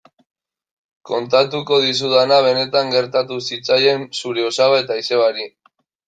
Kontatuko dizudana benetan gertatu zitzaien zure osaba eta izebari.